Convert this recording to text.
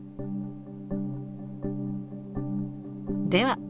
では